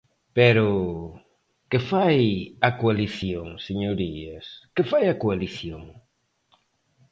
Pero ¿que fai a coalición, señorías?¿Que fai a coalición?